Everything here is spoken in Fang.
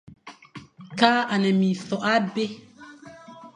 Kal e a ne minsokh abî,